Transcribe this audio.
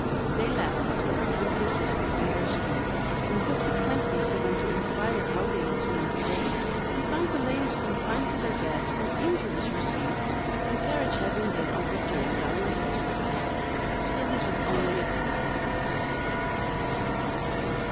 They laughed at her, and persisted in their scheme. When, subsequently, she went to inquire how they had spent the day, she found the ladies confined to their beds from injuries received, the carriage having been overturned down a precipice. Still, this was only a coincidence!